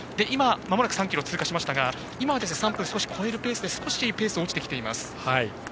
３ｋｍを通過しましたが今は３分を超えるペースで少しペースが落ちてきています。